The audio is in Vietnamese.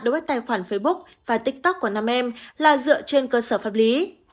đối với tài khoản facebook và tiktok của nam em là dựa trên cơ sở pháp lý